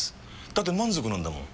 だって満足なんだもん。